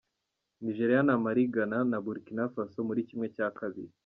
Nigeria na Mali, Ghana na Burkina Faso muri kimwe cya kabiri